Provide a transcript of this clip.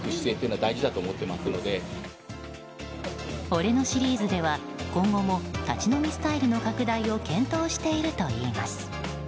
俺のシリーズでは、今後も立ち飲みスタイルの拡大を検討しているといいます。